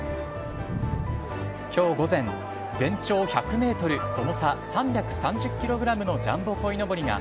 きょう午前、全長１００メートル、重さ３３０キログラムのジャンボこいのぼりが、